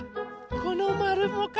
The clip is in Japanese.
このまるもか。